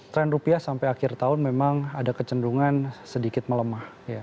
tren rupiah sampai akhir tahun memang ada kecenderungan sedikit melemah